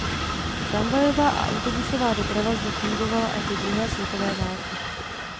Tramvajová a autobusová doprava zde fungovala až do druhé světové války.